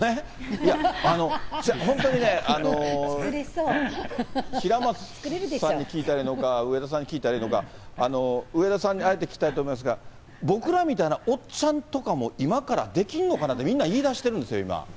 いや、本当にね、平松さんに聞いたらいいのか、上田さんに聞いたらいいのか、上田さんにあえて聞きたいと思いますが、僕らみたいなおっちゃんとかも、今からできんのかなって、みんな言いだしてるんですよ、今。